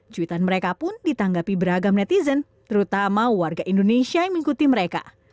cuitan mereka pun ditanggapi beragam netizen terutama warga indonesia yang mengikuti mereka